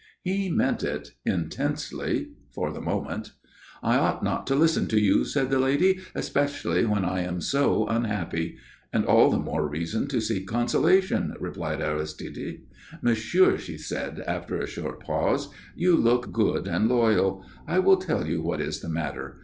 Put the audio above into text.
He meant it intensely for the moment. "I ought not to listen to you," said the lady, "especially when I am so unhappy." "All the more reason to seek consolation," replied Aristide. "Monsieur," she said, after a short pause, "you look good and loyal. I will tell you what is the matter.